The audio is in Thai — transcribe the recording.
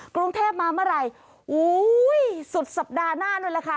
กรุงเทพมาเมื่อไหร่อุ้ยสุดสัปดาห์หน้านู้นแหละค่ะ